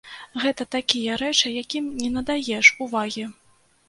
Гэта такія рэчы, якім не надаеш увагі.